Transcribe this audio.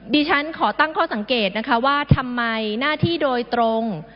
ดิฉันขอตั้งข้อสังเกตนะคะว่าทำไมหน้าที่โดยตรง